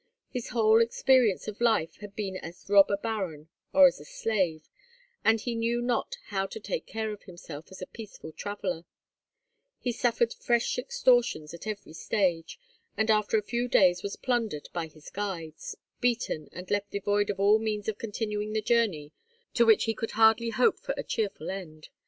His whole experience of life had been as a robber baron or as a slave, and he knew not how to take care of himself as a peaceful traveller; he suffered fresh extortions at every stage, and after a few days was plundered by his guides, beaten, and left devoid of all means of continuing the journey to which he could hardly hope for a cheerful end.